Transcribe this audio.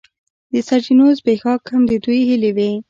د سرچینو زبېښاک هم د دوی هیلې وې.